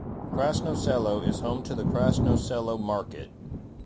Krasno Selo is home to the Krasno Selo market.